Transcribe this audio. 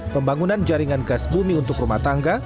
pembangunan jaringan gas bumi untuk rumah tangga